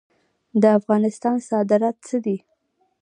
د افغانستان صادرات څه دي؟